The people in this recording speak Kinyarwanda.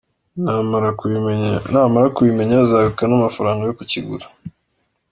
Namara kubimenya azabika n’amafaranga yo kukigura.